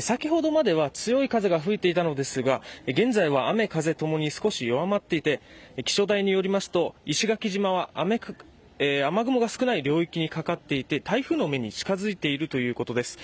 先ほどまでは強い風が吹いていたのですが、現在は雨、風ともに少し弱まっていて、気象台によりますと、石垣島は雨雲が少ない領域にかかっていて、台風の目に近づいているということです。